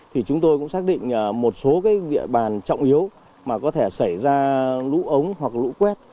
thì chúng tôi cũng xác định một số cái địa bàn trọng yếu mà có thể xảy ra lũ ống hoặc lũ quét